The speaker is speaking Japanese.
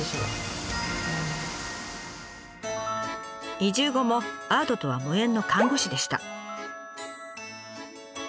移住後もアートとは無縁の看護師でした。